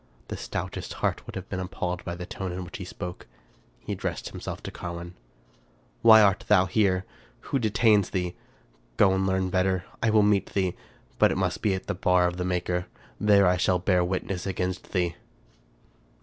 The stoutest heart would have been appalled by the tone in which he spoke. He addressed himself to Carwin :—" Why art thou here ? Who detains thee ? Go and learn better. I will meet thee, but it must be at the bar of thy Maker. There shall I bear witness against thee."